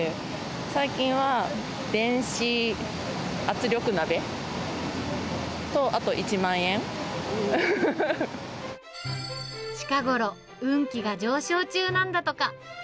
最近は電子圧力鍋と、近頃、運気が上昇中なんだとか。